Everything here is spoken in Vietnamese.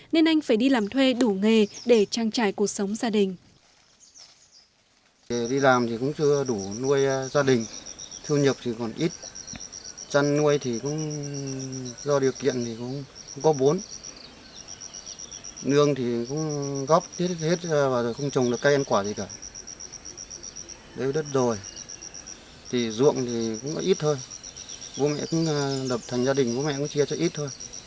nên anh phải đi làm thuê đủ nghề để trang trải cuộc sống gia đình